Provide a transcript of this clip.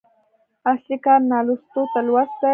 اصلي کار نالوستو ته لوست دی.